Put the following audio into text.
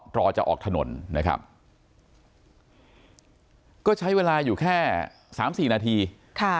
รอจะออกถนนนะครับก็ใช้เวลาอยู่แค่สามสี่นาทีค่ะ